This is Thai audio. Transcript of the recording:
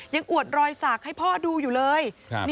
ยังอวดรอยศักดิ์ให้พ่อดูอยู่เลย